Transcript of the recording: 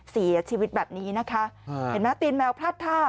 เสียชีวิตแบบนี้นะคะเห็นไหมตีนแมวพลาดท่า